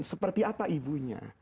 seperti apa ibunya